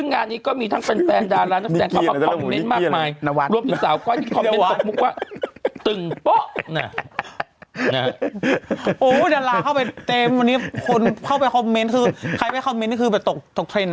งานนี้ก็มีทั้งเป็นแต่ดาวราณแสดงเพราะว่าคอมเมนต์มากมาย